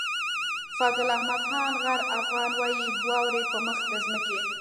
فضل احمد خان غر افغان وايي واورئ په مخ د ځمکې.